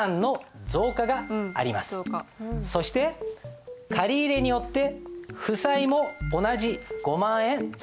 そして借り入れによって負債も同じ５万円増加している。